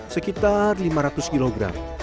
sekitar lima ratus kg